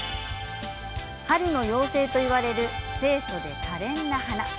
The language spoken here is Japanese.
春の妖精といわれる清そでかれんな花。